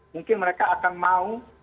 mungkin mereka akan mau